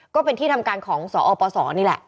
ก็เป็นที่ทำการของสอปศนี่แหละ